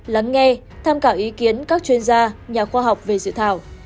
lắng nghe tham khảo ý kiến các chuyên gia nhà khoa học về dự thảo